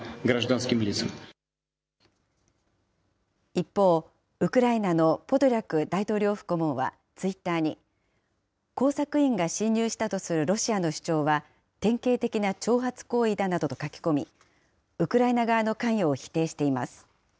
一方、ウクライナのポドリャク大統領府顧問はツイッターに、工作員が侵入したとするロシアの主張は典型的な挑発行為だなどと書き込み、ウクライナ側の関与を否定しています。